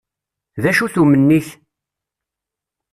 D acu-t umenni-k?